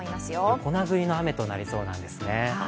横殴りの雨となりそうなんですね。